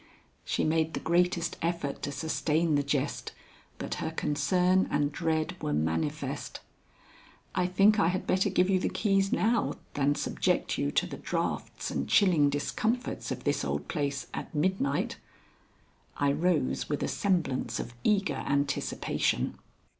She made the greatest effort to sustain the jest, but her concern and dread were manifest. "I think I had better give you the keys now, than subject you to the drafts and chilling discomforts of this old place at midnight." I rose with a semblance of eager anticipation.